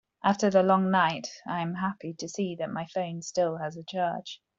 After the long night, I am happy to see that my phone still has a charge.